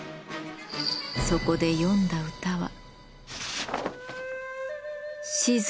そこで詠んだ歌は。